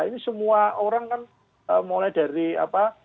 ini semua orang kan mulai dari apa